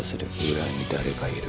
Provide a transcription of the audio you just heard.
裏に誰かいる。